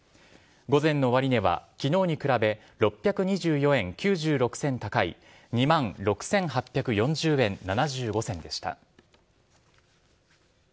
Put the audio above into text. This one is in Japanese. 午前の終値は、きのうに比べ６２４円９６銭高い、２万６８４０円７５銭でした。